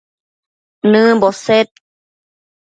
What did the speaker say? nëmbo sed